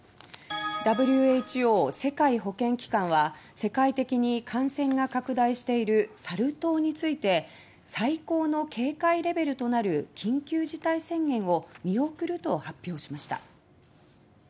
ＷＨＯ・世界保健機関は世界的に感染が拡大しているサル痘について最高の警戒レベルとなる緊急事態宣言を見送ると発表しました。